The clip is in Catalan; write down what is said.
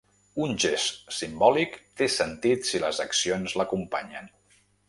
Un gest simbòlic té sentit si les accions l'acompanyen.